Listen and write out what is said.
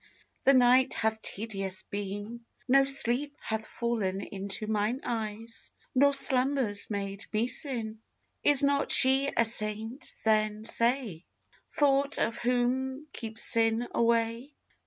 The night hath tedious been; No sleep hath fallen into mine eyes, Nor slumbers made me sin. Is not she a saint, then, say! Thought of whom keeps sin away?